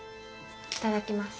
いただきます。